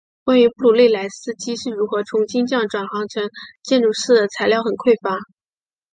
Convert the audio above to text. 关于布鲁内莱斯基是如何从金匠转行成建筑师的资料很匮乏。